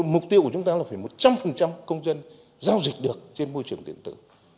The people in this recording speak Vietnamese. mục tiêu của chúng ta là phải một trăm linh công dân giao dịch được trên môi trường điện tử